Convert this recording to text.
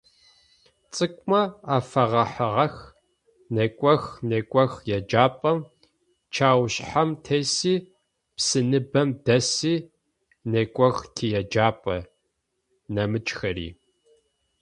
Цӏыкӏумэ афэгъэхьыгъэх: «Некӏох, некӏох еджапӏэм…чэушъхьэм теси, псыныбэм дэси… некӏох тиеджапӏэ…», - нэмыкӏхэри.